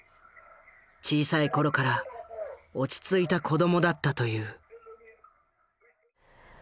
小さい頃から落ち着いた子どもだったという。